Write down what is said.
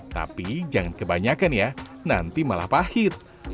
tapi jangan kebanyakan ya nanti malah pahit